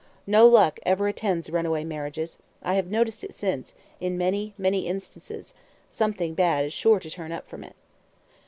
No luck ever attends runaway marriages; I have noticed it since, in many, many instances; something bad is sure to turn up from it."